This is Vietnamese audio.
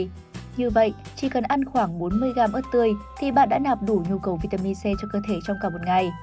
như vậy chỉ cần ăn khoảng bốn mươi g ớt tươi thì bạn đã nạp đủ nhu cầu